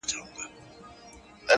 په ځان وهلو باندې خپل غزل ته رنگ ورکوي.